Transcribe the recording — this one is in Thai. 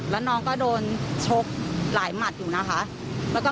แล้วน้องก็โดนชกหลายหมัดอยู่นะคะ